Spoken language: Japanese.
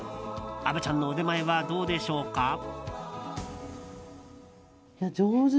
虻ちゃんの腕前はどうでしょうか。